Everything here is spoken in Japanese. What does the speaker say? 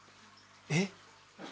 えっ？